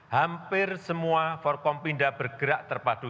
hampir semua forkompinda bergerak terpadu